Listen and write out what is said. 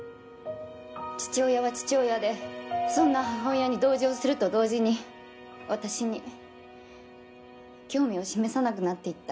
父親は父親でそんな母親に同情すると同時に私に興味を示さなくなっていった。